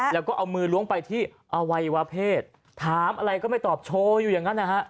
แล้วก็เอามือล้วงไปที่อวัยวะเพศถามอะไรก็ไม่ตอบโชว์อยู่อย่างนั้นนะฮะ